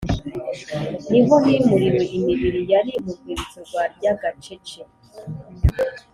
Ni ho himuriwe imibiri yari mu rwibutso rwa Ryagacece